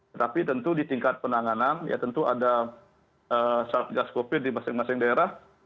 tetapi tentu di tingkat penanganan ya tentu ada satgas covid di masing masing daerah